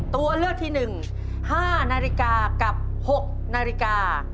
ตัวเลือกที่๑๕นาฬิกากับ๖นาฬิกา